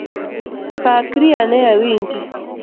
Pakri ane awinji.